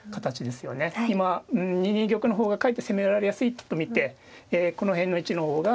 今は２二玉の方がかえって攻められやすいと見てこの辺の位置の方が。